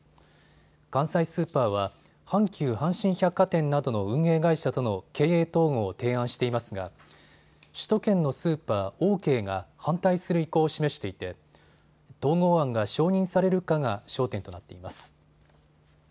関西スーパーは阪急阪神百貨店などの運営会社との経営統合を提案していますが首都圏のスーパー、オーケーが反対する意向を示していて統合案が承認されるかが焦点となっています。